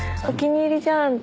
お気に入りやん。